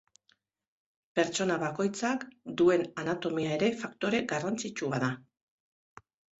Pertsona bakoitzak duen anatomia ere faktore garrantzitsua da.